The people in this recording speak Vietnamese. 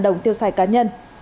đồng tiêu xài cá nhân